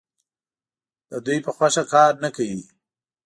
د دوی په خوښه کار نه کوي.